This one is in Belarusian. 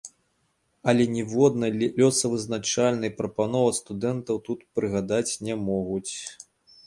Але ніводнай лёсавызначальнай прапановы ад студэнтаў тут прыгадаць не могуць.